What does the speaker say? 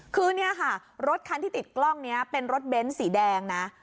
คือเนี่ยค่ะรถคันที่ติดกล้องนี้เป็นรถเบ้นสีแดงนะ